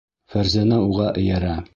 Фәрзәнә уға эйәрә.